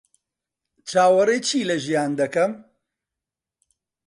چاوەڕێی چی لە ژیان دەکەم؟